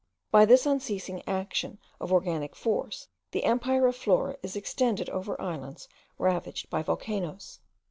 By this unceasing action of organic force the empire of Flora is extended over islands ravaged by volcanoes.